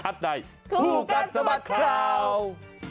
คู่กันสวัสดิ์คราว